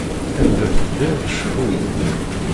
Anga teddiḍ, cfu.